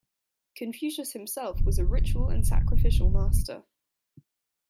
Confucius himself was a ritual and sacrificial master.